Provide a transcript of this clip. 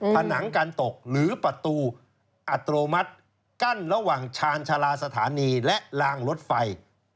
ผนังการตกหรือประตูอัตโนมัติกั้นระหว่างชาญชาลาสถานีและลางรถไฟ